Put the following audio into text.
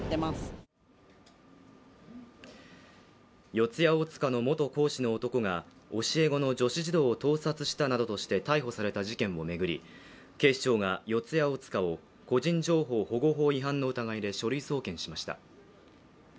四谷大塚の元講師の男が教え子の女子児童を盗撮したなどとして逮捕した事件をめぐり、警視庁が四谷大塚を個人情報保護法違反の疑いで書類送検しました。